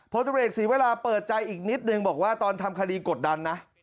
โพสต์เวลาเปิดใจอีกนิดนึงบอกว่าตอนทำคดีกดดันนะ